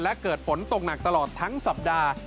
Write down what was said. และเกิดฝนตกหนักตลอดทั้งสัปดาห์